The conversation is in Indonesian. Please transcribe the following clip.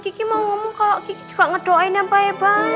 kiki mau ngomong kalau kiki juga ngedoain yang baik baik